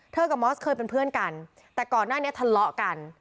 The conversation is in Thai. กับมอสเคยเป็นเพื่อนกันแต่ก่อนหน้านี้ทะเลาะกัน